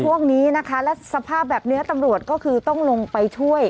ช่วงนี้นะคะและสภาพแบบนี้ตำรวจก็คือต้องลงไปช่วย